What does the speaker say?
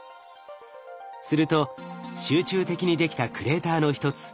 すると集中的にできたクレーターの一つ